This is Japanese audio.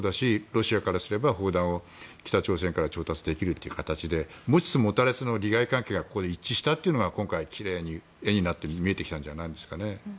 ロシアからすれば砲弾を北朝鮮から調達できるという形で持ちつ持たれつの利害関係がここで一致したというのが今回、奇麗に絵になって見えてきたんじゃないですかね。